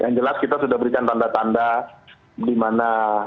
yang jelas kita sudah berikan tanda tanda di mana